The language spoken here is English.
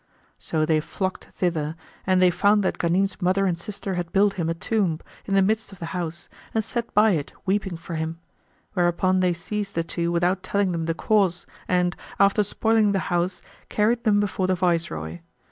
"[FN#123] So they flocked thither, when they found that Ghanim's mother and sister had built him a tomb[FN#124] in the midst of the house and sat by it weeping for him; whereupon they seized the two without telling them the cause and, after spoiling the house, carried them before the viceroy.